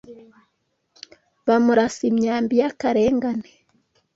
Bamurasa imyambi y’akarengane